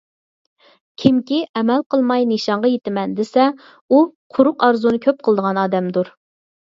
كىمكى ئەمەل قىلماي نىشانغا يېتىمەن دېسە، ئۇ قۇرۇق ئارزۇنى كۆپ قىلىدىغان ئادەمدۇر.